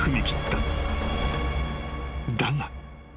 ［だが］